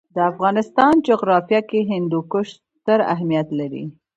د افغانستان جغرافیه کې هندوکش ستر اهمیت لري.